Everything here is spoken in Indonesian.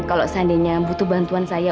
kalau seandainya butuh bantuan saya